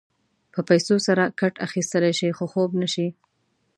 په پیسو سره کټ اخيستلی شې خو خوب نه شې.